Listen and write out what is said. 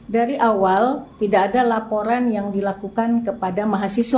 dari awal tidak ada laporan yang dilakukan kepada mahasiswa